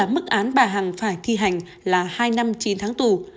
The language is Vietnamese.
mức án bà hằng phải thi hành là hai năm chín tháng tù